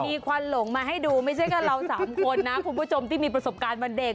มีควันหลงมาให้ดูไม่ใช่แค่เราสามคนนะคุณผู้ชมที่มีประสบการณ์วันเด็ก